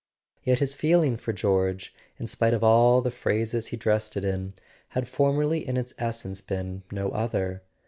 Yet his feeling for George, in spite of all the phrases he dressed it in, had formerly in its essence been no other.